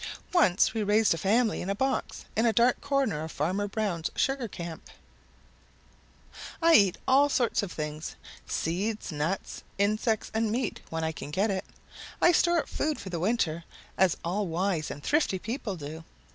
Once we raised a family in a box in a dark corner of Farmer Brown's sugar camp. "I eat all sorts of things seeds, nuts, insects and meat when I can get it. I store up food for winter, as all wise and thrifty people do."